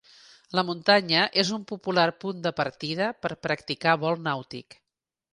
La muntanya és un popular punt de partida per practicar vol nàutic.